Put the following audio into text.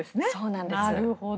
なるほど。